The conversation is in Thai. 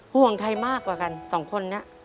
ห่วงใครมากกว่ากันสองคนนี้